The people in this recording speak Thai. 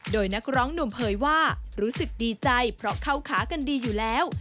โดยนักร้องหนุ่มเผยว่ารู้สึกดีใจเพราะเข้าขากันดีอยู่แล้ว